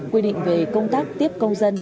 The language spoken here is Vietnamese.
quy định về công tác tiếp công dân